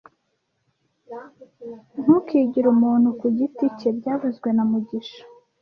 Ntukigire umuntu ku giti cye byavuzwe na mugisha